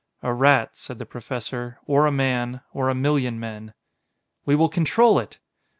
"A rat," said the Professor "or a man ... or a million men." "We will control it."